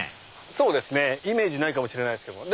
そうですねイメージないかもしれないですけど。